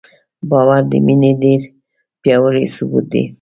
باور د مینې ډېر پیاوړی ثبوت دی.